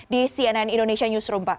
di cnn indonesia newsroom pak